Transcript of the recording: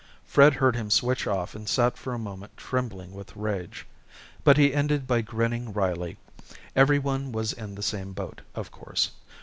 Fred heard him switch off and sat for a moment trembling with rage. But he ended by grinning wryly. Everyone was in the same boat, of course.